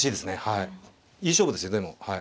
いい勝負ですよでもはい。